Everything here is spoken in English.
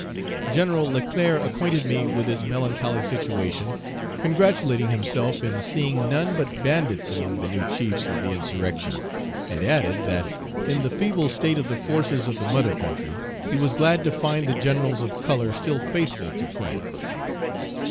General Leclerc acquainted me with his melancholy situation, congratulating himself in seeing none but bandits among the new chiefs of the insurrection, and added, that, in the feeble state of the forces of the mother country, he was glad to find the generals of color still faithful to France.